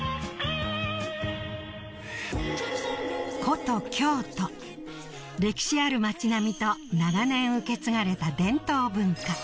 古都歴史ある町並みと長年受け継がれた伝統文化